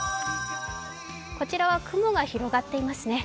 こちらは雲が広がっていますね。